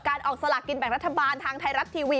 ออกสลากกินแบ่งรัฐบาลทางไทยรัฐทีวี